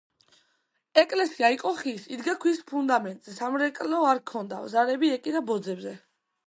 ეკლესია იყო ხის, იდგა ქვის ფუნდამენტზე, სამრეკლო არ ჰქონდა, ზარები ეკიდა ბოძებზე.